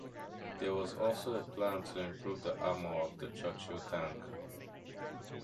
There was also a plan to improve the armor of the Churchill tank.